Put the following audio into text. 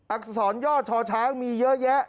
อักษรย่อชอช้างมีเยอะแยะ